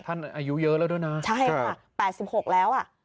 ท่านอายุเยอะแล้วด้วยน่ะใช่ค่ะแปดสิบหกแล้วอ่ะ